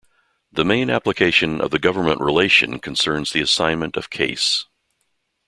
The main application of the "government" relation concerns the assignment of case.